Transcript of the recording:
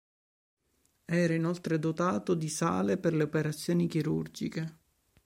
Era inoltre dotato di sale per le operazioni chirurgiche.